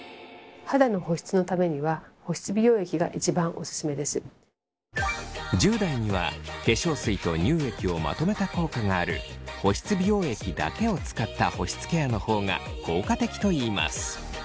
肌の保湿のためには１０代には化粧水と乳液をまとめた効果がある保湿美容液だけを使った保湿ケアの方が効果的といいます。